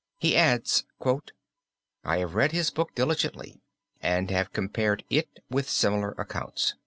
He adds: "I have read his book diligently and have compared it with similar accounts."